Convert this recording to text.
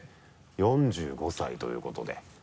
４５歳ということで。